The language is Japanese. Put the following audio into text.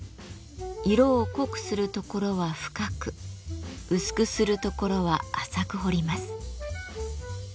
色を濃くするところは深く薄くするところは浅く彫ります。